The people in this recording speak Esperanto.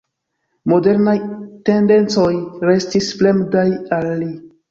Modernaj tendencoj restis fremdaj al li.